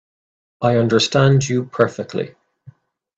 I understand you perfectly.